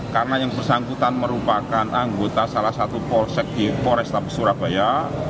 karena yang bersangkutan merupakan anggota salah satu polsek di polres tabi surabaya